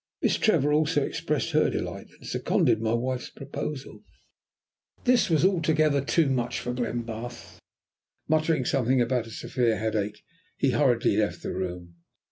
Miss Trevor also expressed her delight, and seconded my wife's proposal. This was altogether too much for Glenbarth. Muttering something about a severe headache he hurriedly left the room.